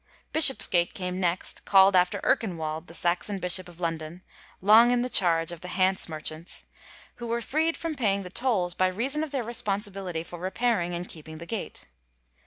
Bishopsgate came next, calld after Erkenwald, the Saxon bishop of London, long in the charge of the Hanse Merchants, who were freed from paying the tolls by reason of their responsi bility for repairing and keeping the gate.